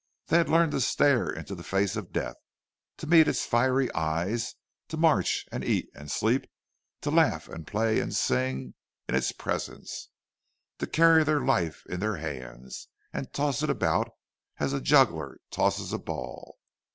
They had learned to stare into the face of death, to meet its fiery eyes; to march and eat and sleep, to laugh and play and sing, in its presence—to carry their life in their hands, and toss it about as a juggler tosses a ball.